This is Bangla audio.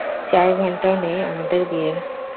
চার ঘন্টাও নেই আমাদের বিয়ের!